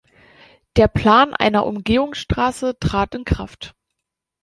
Der Plan einer Umgehungsstraße trat in Kraft.